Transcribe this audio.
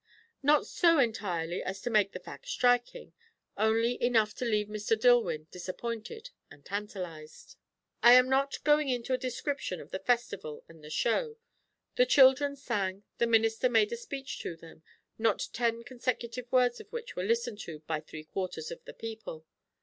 Not so entirely as to make the fact striking; only enough to leave Mr. Dillwyn disappointed and tantalized. I am not going into a description of the festival and the show. The children sang; the minister made a speech to them, not ten consecutive words of which were listened to by three quarters of the people.